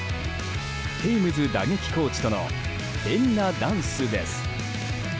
テームズ打撃コーチとの変なダンスです。